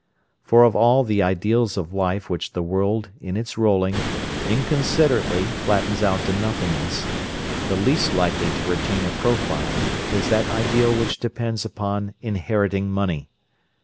For of all the "ideals of life" which the world, in its rolling, inconsiderately flattens out to nothingness, the least likely to retain a profile is that ideal which depends upon inheriting money.